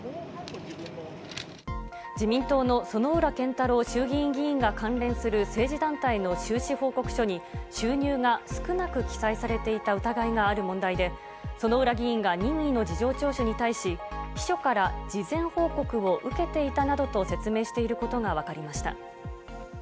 自民党の薗浦健太郎衆議院議員が関連する政治団体の収支報告書に収入が少なく記載されていた疑いがある問題で、薗浦議員が任意の事情聴取に対し、秘書から事前報告を受けていたなどと説明していることがわかりました。